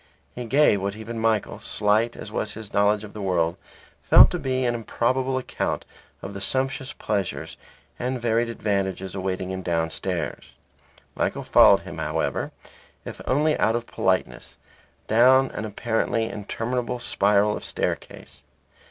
He gave what even Michael (slight as was his knowledge of the world) felt to be an improbable account of the sumptuous pleasures and varied advantages awaiting him downstairs. Michael followed him, however, if only out of politeness, down an apparently interminable spiral of staircase.